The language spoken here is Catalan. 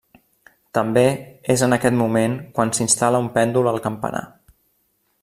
També és en aquest moment quan s'instal·la un pèndol al campanar.